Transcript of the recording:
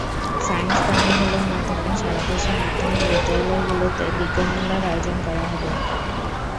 Science কার্নিভালের মাধ্যমে সারা দেশের মাধ্যমিক বিদ্যালয়গুলোতে বিজ্ঞান মেলার আয়োজন করা হবে।